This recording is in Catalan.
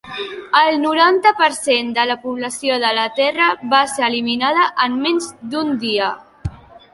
El noranta per cent de la població de la Terra va ser eliminada en menys d'un dia.